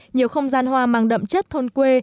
nhiều không gian hoa mang đậm chất thôn quê